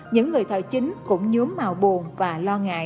những người thợ chính cũng nhốm màu buồn và lo ngại